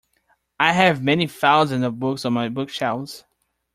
I have many thousands of books on my bookshelves.